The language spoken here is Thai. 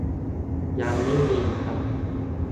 ยังไม่มีครับ